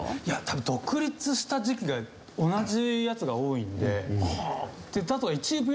多分独立した時期が同じやつが多いんで。